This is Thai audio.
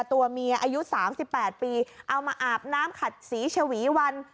ตัวเมียอายุ๓๘ปีเอามาอาบน้ำขัดสีชวีวัน